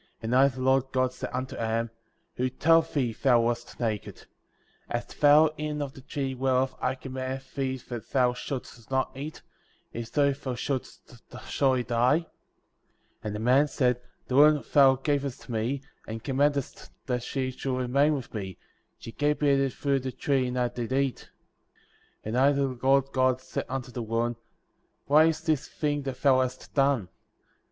17. And I, the Lord God, said unto Adam: Who told thee thou wast naked ?^ Hast thou eaten of the tree whereof I commanded thee that thou shouldst not eat, if so thou shouldst surely die ?^ 18. And the man said: The woman thou gavest me, and commandedst that she should remain with me, she gave me of the fruit of the tree and I did eat.* 19. And I, the Lord God, said unto the woman: What is this thing which thou hast done?